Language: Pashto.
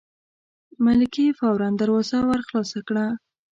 ملکې فوراً دروازه ور خلاصه کړه.